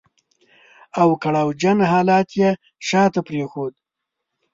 او کړاو جن حالات يې شاته پرېښودل.